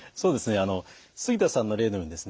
あの杉田さんの例のようにですね